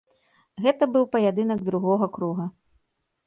Гэта быў паядынак другога круга.